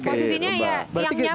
posisinya ya yang nyaman